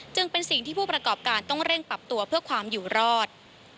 จึงเป็นสิ่งที่ผู้ประกอบการต้องเร่งปรับตัวเพื่อความอยู่รอด